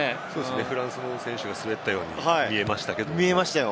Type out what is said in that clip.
フランスの選手が滑ったように見えましたけれども。